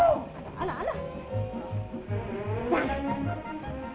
あらあら。